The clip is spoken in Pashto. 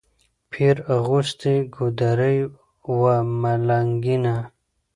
پیر اغوستې ګودړۍ وه ملنګینه